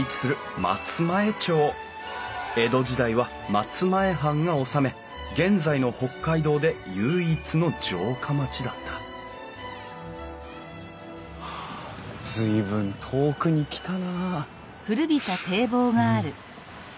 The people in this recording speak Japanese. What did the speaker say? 江戸時代は松前藩が治め現在の北海道で唯一の城下町だった随分遠くに来たな。